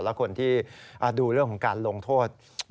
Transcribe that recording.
และคนที่ดูเรื่องของการลงโทษ